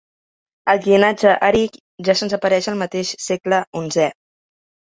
El llinatge Erill ja se'ns apareix el mateix segle onzè.